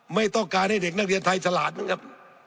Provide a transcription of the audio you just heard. ไม่ต้องการให้เด็กนักเรียนไทยฉลาดนะครับ